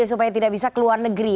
supaya tidak bisa keluar negeri